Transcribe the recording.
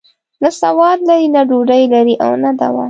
نه سواد لري، نه ډوډۍ لري او نه دوا.